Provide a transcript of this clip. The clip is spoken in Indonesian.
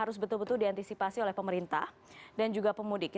itu bisa juga ke sini